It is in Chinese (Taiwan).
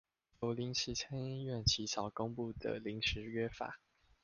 由臨時參議院起草公布的臨時約法